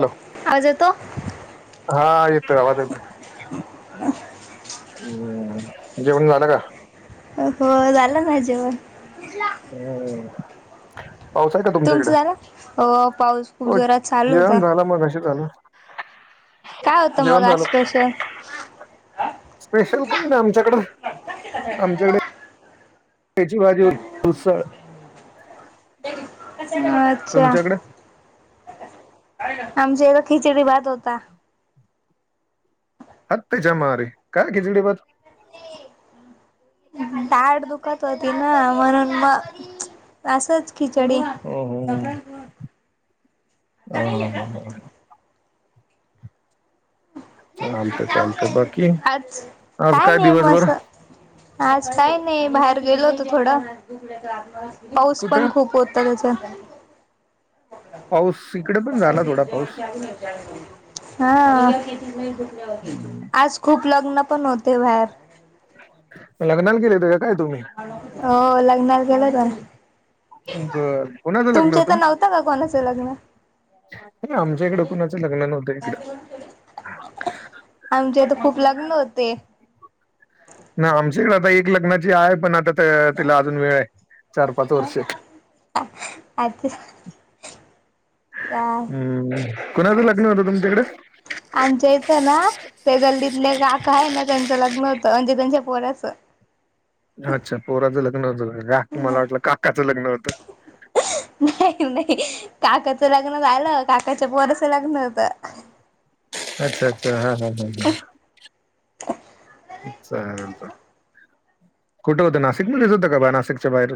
Hello आवाज येतो? हा येत तर आवाज येत हम्म जेवण झालं का हो झालं ना जेव हो तुमचं झाला अ पाऊस खूप हो जोरात चालू होता जेवण झालं मगाशी झालं काय होतं मग जेवण आज झालं स्पेशल स्पेशल काही ना आमच्याकड आमच्याकडे त्याची बाजू उसळ अच्छा तुमच्याकडे आमच्या इथ खिचडी भात होता हाट त्याच्यामारी काय खिचडी बाात दाढ दुखत होती ना म्हणून मग असंच खिचडी ह हं हं हं चालतंय चालतंय बाकी आज आज काय नाही मग दिवसभर असं आज काय नाही बाहेर गेलो होतं थोडं पाऊस कुठं पण खूप होता त्याचा [inaudible] पाऊस इकडे पण झाला थोडा पाऊस हा आज खूप लग्न पण होते बाहेर लग्नाला गेल्यात काय तुम्ही हो लग्ना गेलं तर बर कुणाचं लग्न तुमच्या तर होतं नव्हता का कोणाचं लग्न आमच्या इकडं कुणाचं लग्न नव्हतं इकडं आमचेथ खूप लग्न होते ना आमच्याकडे आता एक लग्नाची आहे पण आता तिला अजून वेळ आहे चार पाच वर्ष अच्छा हम् कोणाचं लग्न होतं तुमच्याकडे आमच्या इथं ना ते अं ते तंज प पोराचं अच्छा पोराचं लग्न होत का मला वाटलं काकाचं लग्न होतं नाही नाही काकाचं लग्न झालं काकाच्या पोराचं लग्न होत अच्छा हा हा हा ह [inaudible] चांलत तर कुठे होतं नाशिकमध्येध्येच होतं का बा नाशिकच्या बाहेर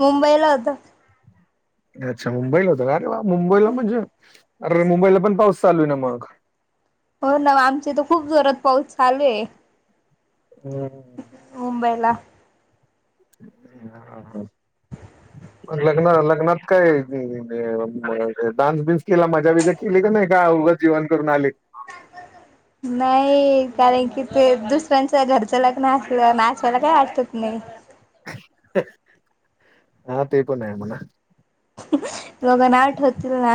मुंबईला होत अच्छा मुंबईला होतं वा मुंबईला म्हणजे अरेे मुंबईला पण पाऊस चालू आहे ना मग हो ना आमचे तर खूप जोरात पाऊस चालूयं हम्म अला ह मग लग्न लग्नात काय डान्स बिन्स केला मजा बजा केली का नाही का उगचं जेवण करून आले [inaudible] नाही कारण की ते दुसऱ्यांच घरचं लग्न असलं ना मा असवायला काही वाटत नाही हा ते पण आहे मणा दोघांना ना आठवतील ना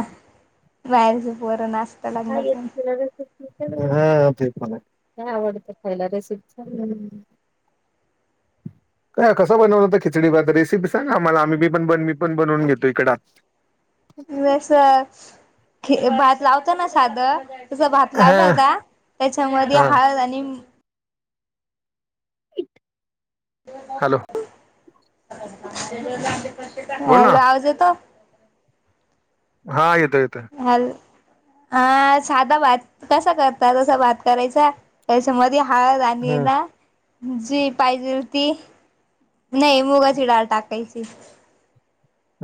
बाहेरची पोरांना काय येतं तिला घरचं काय आवडतं खायला रेसिपी [inaudible] काय कसं बनवलं होतं खिचडी भात रेसिपी सांग ना आम्हाला आम्ही पण बनवू मी पण बनवून घेतो इका ह जसं ख भात लावत ना साधं त भात लागला हा होता हा त्याच्यामध्ये हळद आणि मी हॅलो. बोल ना हॅलो आवाज येतो हा येतोय येतोय. हा साधा भात कसा करतात तस भात करायचा त्याच्या मदी हळद आणि हम्म ना जी पाहिजेल ती नाही मुगाची डाळ टाकायची.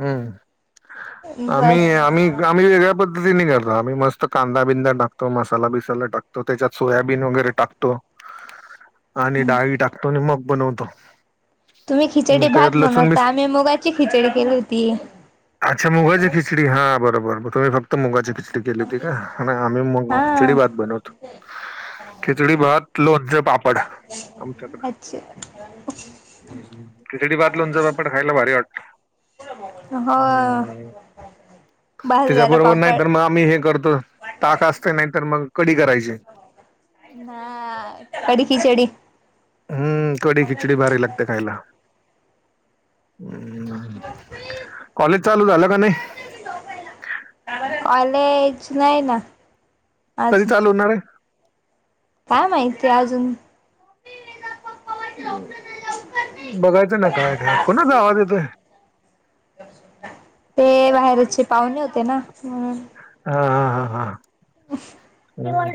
हम्म आम्ही बस आम्ही आम्ही वेगळ्या पद् व्हिनेगर नाय आम्ही मस्त कांदा बिंदा टाकतो मसाला बिसाला टाकतो त्याच्यात सोयाबीन वगैरे टाकतो आणि डाळी टाकतो आणि मग बनवतो. तुम्ही खिचडी त्यात भात लसूण बी बनवता आम्ही मुगाची खिचडी केली होती. अच्छा मुगाची खिचडी हा बरोबर तुम्ही फक्त मुगाची खिच खिचडी केली होती का आम्ही हा खिचडी भात बनवतो खिचडी भात लोनचे पाप अच्छा. ह खिचडी भात लोणच पापड खायला भारी वाटत. हो. भाजलेला त्याच्याबरोबर नाही पापड तर मग आम्ही हे करतो ताक असतय नाहीतर मग कडी करायची हा कडी खीचडी. हम्म कढी खिचडी भारी लागते खायला. कॉलेज चालू झालं का नाई. कॉलेज नाही ना. कधी अजून चालू होणार ए काय माहिती अजून. बघायचं ना काय काय कोणाचा आवाज येतोय. ते बाहेरचे पाहुणे होते ना म्हणून. हा हा हा हा हम्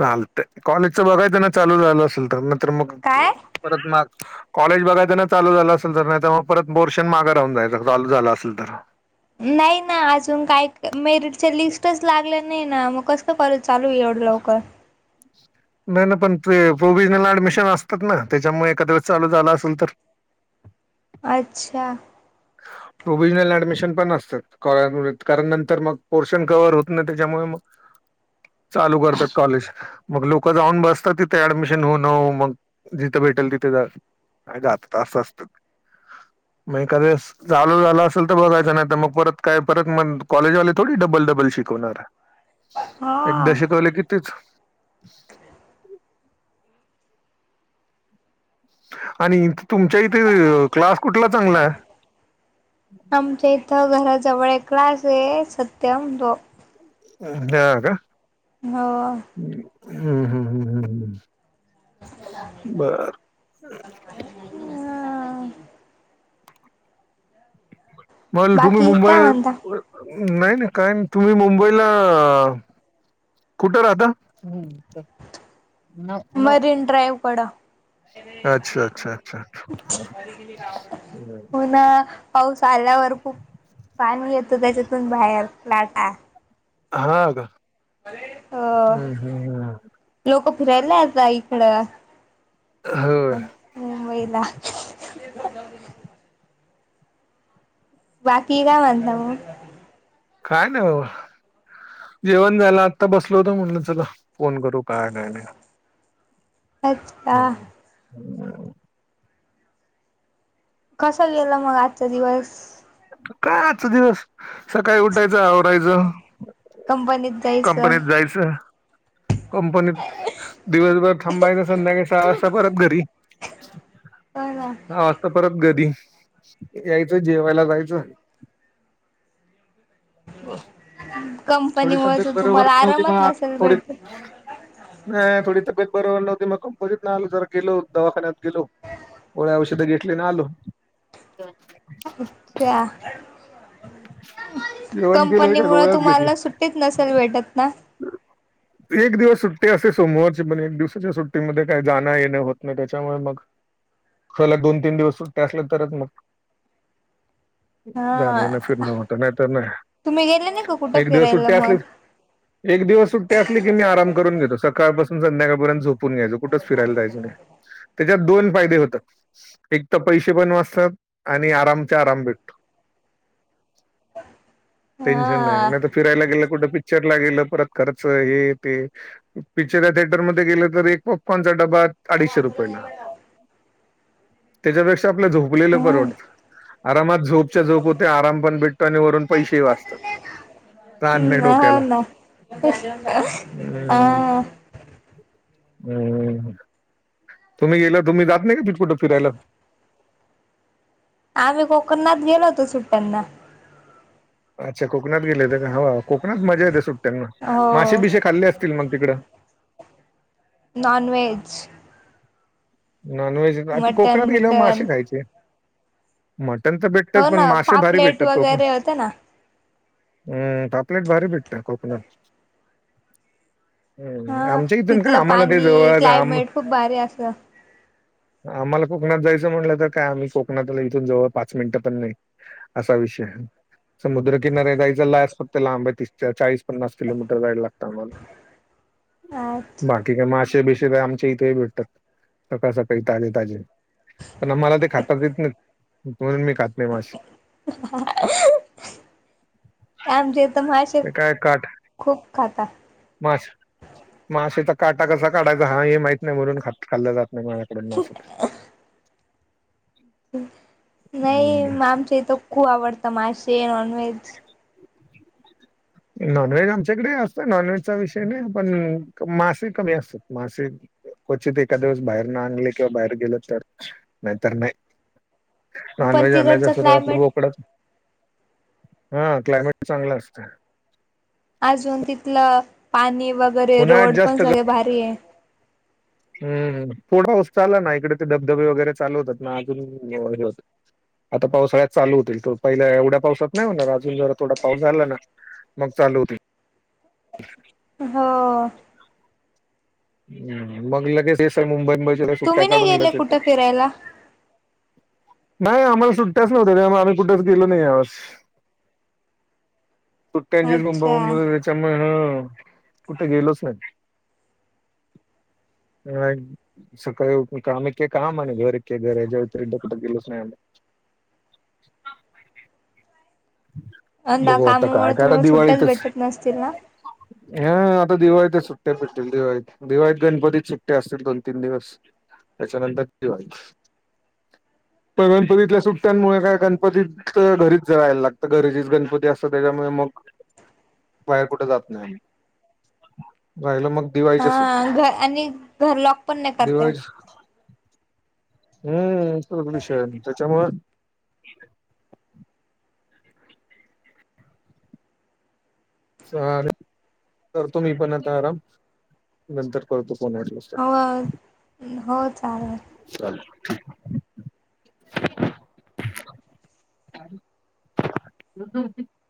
चालतय कॉलेजच बघायच ना चालू झाल असेल तर तर मग काय [unintelligible] परत माग कॉलेज बघायचना चालू झालं असेल तर नाय तर मग परत पोर्शन माग राहून जायचा चालू झालं असेल तर नाही ना अजून काय मेरिटच्या लिस्टच लागलं नाही ना मग कस करू. चालू ए एवढं लवकर. नाही ना पण ते प्रोव्हिसनल ऍडमिशन असतात ना त्याच्यामुळे एखाद्यावेळेस चालू झालं असेल तर अच्छा. [inaudible] प्रोव्हिजनल ऍडमिशन पण असतात काॅलेजमध्ये कारण नंतर मग पोर्शन कव्हवर होत ना त्याच्यामुळे मग. चालू करतात कॉलेज मग लोक जाऊन बसतात तिथे ऍडमिशन होऊ न होऊ मग जिथे. भेटल तिथे जा जातात अस असत ते. झालं झालं असेल तर बघायचं नाही तर मग परत काय परत मग कॉलेजवाले थोडी डबल डबल शिकवणार. एकदा हा शिकवलं की तेच. आणि. तुमच्या इथे क्लास कुठला चांगला ए त्या घराजवळ एक क्लास ए सत्यम तो. हा का. हो. हम्म हम हम् ह हम्. बर हम. बर तुम्ही बाकी मुंबई काय म्हणता वर. नाही ना काय नाही तुम्ही मुंबईलाऽऽ कुठं राहता चल न नो वडा अच्छा अच्छा अच्छा पुन्हा पाऊस आल्यावर खूप पाणी येतं त्याच्यातून बाहेर लाटा हा अ का अं हं, हं, हं. लोक फिरायला येता इकडं हओ [unintelligible] बाकी काय म्हणता म काय ना बाबा जेवण जायला आत्ता बसलो होतो म्हणलं चला फोन करू काय काय नाही अच्छा हम् कसं गेलं मग आजचा दिवस. कायच दिवस सकाळी उठायचं आवरायचं. कंपनीत जायचं कंपनीत जायचं. कंपनीत दिवसभर थांबायच संध्याकाळी सहा वाजता परत घरी. हो ना ह वाजता परत घरी यायचं जेवायला जायचं. ब थोडी कंपनीमुळे तर तब्येत बरोबर तुम्हाला नव्हती आरामच म आ नसेल थोडी भेटत थोडी तब्येत बरोबर नव्हती मग कंपतीत ना आलं ज गेलो दवाखान्यात गेलो. गोळ्या औषध घेतले ना आलो त्या जेवण केलं कंपनी का मुळ तुम्हाला सुट्टीत नसेल भेटत ना. हम एक दिवस सुट्टी असे सोमवारची पण एक दिवसाच्या सुट्टीमध्ये काही जाण येणें होत नाही त्याच्यामुळे मग खला दोन तीन दिवस सुट्टी असल तरच मग हा जाण ना फिरण होत नाही तर नाही तुम्ही गेले नाही का कुठं एक दिवस फिरायला सुट्टी मग असलीच. एक दिवस सुट्टी असली की मी आराम करून घेतो सकाळपासून संध्याकाळपर्यंत झोपत. यायच कुठे फिरायला जायचं नाही त्याच्यात दोन फायदे होत एक तर पैसे पण वाचतात आणि आरामचा आराम भेटतो. टेन्शन नाही हा नाहीता फिरायला गेलं कुठं पिक्चर ला गेलं त खर्च हे ते पिचर ला गेलं म ते पॉपकॉ डबा अडीशे रुपये ला त्याच्या पेक्षा. झोपलेल हो बर वाटतंय आरामात झोप झोप होते आराम पण भेटतो आणि वरून पैसेही वाचत ताण नाही ना डोक्याला हा हम्म, हम्म तुम्ही गेल तुम्ही जात नाही का ति कुठं फिरायला. [unintelligible] आम्ही कोकणणात गेलो होतो सुट्ट्यांना अच्छा कोकणात गेले तर का ह कोकात मजा येते सुटड त्यांना हो मासे बिसेे खाल्ले असतील मग तिकडं नॉनव्हेज नॉनव्हेज आता कोकणात मटन गेल्यावर मासे बिटन खायचे. त्यांच भेटतच हो पण ना मासे भारी पापलेट भेटतात तोप ना वगैरे होते हम्म पापलेट भारी भेटते कोकोनट हा हम् आमच्या इथून का तिथलं आम्हाला ते पाणी जवळ आम क्लायमेट खूप भारी असतं आम्हाला कोकणात जायचं म्हणलं तर काय आम्ही कोकणातला इथून जवळ पाच मिनिटं पण नाही असा विषय समुद्रकिनार्या दयचा लासत ते लांबे तीस चाळीस पन्नास किलोमीटर जायला लागतं आम्हाला बाकी का मासे बिसे तर आमच्या इथेही भेटतात. सकाळ सकाळी ताजे ताजे पण आम्हाला ते खातात येत नाही. म्हणून मी खात नाही मासे. आमच्या इथे मासे खूप खातात. मासे मासेचा काटा कसा काढायचा हा हे माहीत नाही म्हणून ख खाल्लं [unintelligible] हम्म. नाहीआमचे तर खूप आवडते मासे नॉन व्हेज. [unintelligible] नॉनव्हेज आमच्याकडे असत नॉनव्हेज चा विषय नाही, पण मासे कमी असतात मासे. क्वचित एका दिवस बाहेर न आणले किंवा बाहेर गेल तर नाहीतर नाही. पण नॉनव्हेज आणायचं तिकडचं अस आपलं क्लायमेट बोकड हा क्लायमेट चांगलं असतं. अजून तिथलं पाणी. वगैरे उन्हाळ्यात रोड पण जास्त ग सगळे भारी आहे. हम्म थोडा हस चाला ना इकडे ते धबधबे वगैरे चालू होतात ना अजून होत. आता पावसाळ्यात चालू होतील पहिल्या एवढ्या पावसात नाही होणार, अजून जर थोडा पाऊस झाला ना. मग चालू होती. हा. हम्म मग लगेच सर मुंबई मुंबईच्या सुट्ट्या तुम्ही नाही काढून गेले इकडेच कुठे येतात. फिरायला नाही आम्हाला सुट्ट्याच नव्हत्या त्या आम्ही कुठेच गेलो नाही ह्या व सुट्ट्यांची अच्छा बोंबाबोंब त्यांच्यामुळे हं कुठ गेलोच नाही. [unintelligible] सकाळी उठून काम एक्के काम आणि घर एक्के घर याच्या व्यतिरिक्त कुठ गेलोच नाही. नाही अजून नाही. ना बघू आता काय कामामुळे कायता तुम्हाला सुट्ट्याच दिवाळीतच. भेटत नसतील ना हा. आता दिवाळीत सुट्ट्या भेटतील दिवाळीत दिवाळीत, गणपतीत सुट्ट्या असतील दोन, तीन दिवस. त्याच्यानंतर दिवाळीत. पण गणपतीतल्या सुट्ट्यांमुळे काय गणपती घरीच जयाला लागतं घरचे गणपती असतं त्याच्यामु मग बाहेर कुठे जात नाही राहिल मग हा दिवाळीच्या सुट्ट्या घ आणि घर लॉक पण नाही दिवाळी करतायत हम्म. तोच विषय त्याच्यामुळ चा हा. करतो मी पण आता आराम नंतर करतो. पावणे आठ वासता हो हो चालेल चालेल. [unintelligible] [unintelligible]